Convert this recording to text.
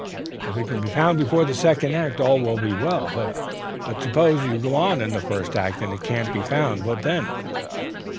If it can be found before the second act, all will be well, but suppose you go on in the first act, and it can't be found, what then?